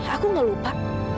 aku gak lupa